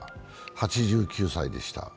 ８９歳でした。